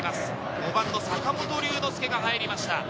５番の坂本龍之介が入りました。